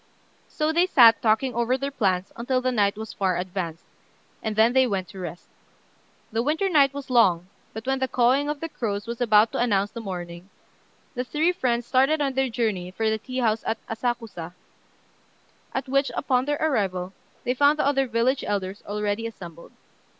So they sat talking over their plans until the night was far advanced, and then they went to rest. The winter night was long; but when the cawing of the crows was about to announce the morning, the three friends started on their journey for the tea house at Asakusa, at which, upon their arrival, they found the other village elders already assembled.